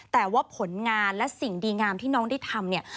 แต่ว่าผลงานและสิ่งดีงามที่น้องได้ทำเนี่ย